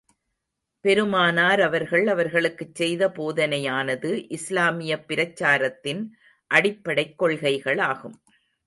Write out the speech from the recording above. பெருமானார் அவர்கள், அவர்களுக்குச் செய்த போதனையானது, இஸ்லாமியப் பிரச்சாரத்தின் அடிப்படைக் கொள்கைகளாகும்.